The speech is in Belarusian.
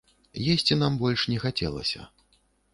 Есці нам больш не хацелася.